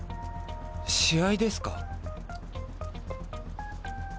試合ですか？